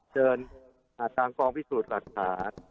เชิญทางกองพิสูจน์หลักฐาน